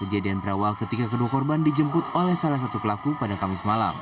kejadian berawal ketika kedua korban dijemput oleh salah satu pelaku pada kamis malam